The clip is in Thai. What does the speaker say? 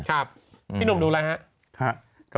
พี่หนุ่มดูอะไรครับ